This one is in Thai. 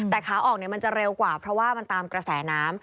แต่ขาออกมันจะเร็วกว่าเพราะว่ามันตามกระแสน้ำ